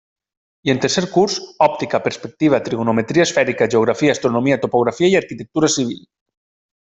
I en tercer curs, Òptica, Perspectiva, Trigonometria esfèrica, Geografia, Astronomia, Topografia i Arquitectura civil.